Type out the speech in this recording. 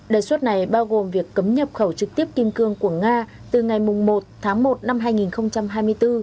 đề xuất này bao gồm việc cấm nhập khẩu trực tiếp kim cương của nga từ ngày một tháng một năm hai nghìn hai mươi bốn